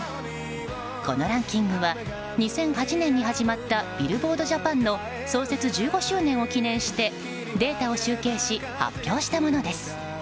このランキングは２００８年に始まったビルボードジャパンの創設１５周年を記念してデータを集計し発表したものです。